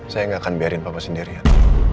saya gak akan biarin papa sendirian